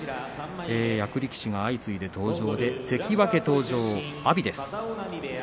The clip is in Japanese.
役力士が相次いで登場、関脇登場阿炎です。